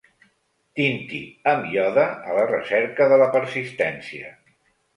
Tinti amb iode a la recerca de la persistència.